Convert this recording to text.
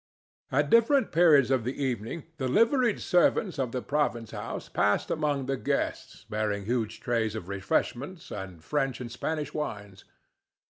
At different periods of the evening the liveried servants of the province house passed among the guests bearing huge trays of refreshments and French and Spanish wines.